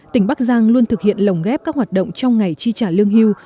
tỉnh bắc giang luôn thực hiện lồng ghép các hoạt động trong ngày chi trả lương hưu